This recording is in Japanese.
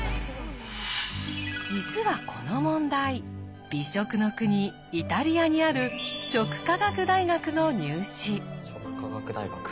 実はこの問題美食の国イタリアにある食科学大学の入試。